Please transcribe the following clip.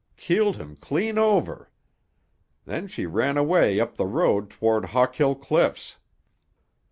Keeled him clean over. Then she ran away up the road toward Hawkill Cliffs.